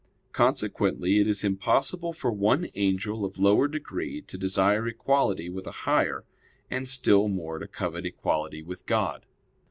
Consequently it is impossible for one angel of lower degree to desire equality with a higher; and still more to covet equality with God.